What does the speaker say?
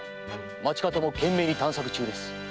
町方も懸命に探索中です。